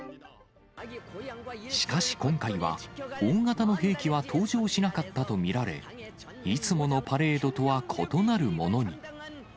しかし今回は、大型の兵器は登場しなかったと見られ、いつものパレードとは異なるものに。